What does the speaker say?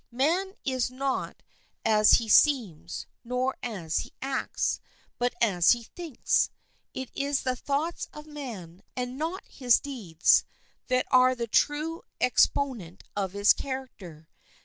Man is not as he seems, nor as he acts, but as he thinks. It is the thoughts of a man, and not his deeds, that are the true exponent of his character.